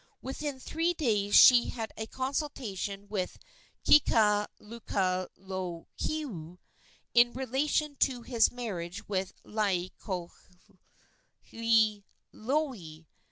Within three days she had a consultation with Kekalukaluokewa in relation to his marriage with Laielohelohe.